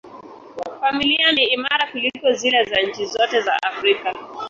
Familia ni imara kuliko zile za nchi zote za Afrika.